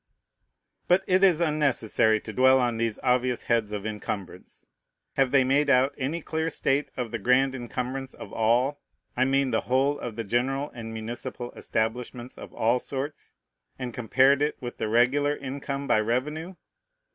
But it is unnecessary to dwell on these obvious heads of incumbrance. Have they made out any clear state of the grand incumbrance of all, I mean the whole of the general and municipal establishments of all sorts, and compared it with the regular income by revenue?